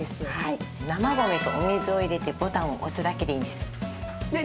生米とお水を入れてボタンを押すだけでいいんです。